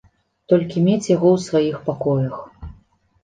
Толькі мець яго ў сваіх пакоях.